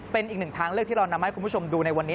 เป็นอีกหนึ่งทางเลือกที่เรานำให้คุณผู้ชมดูในวันนี้